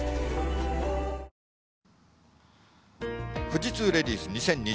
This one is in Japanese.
富士通レディース２０２２。